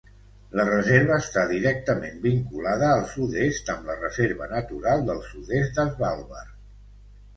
La reserva està directament vinculada al sud-est amb la Reserva natural del sud-est de Svalbard.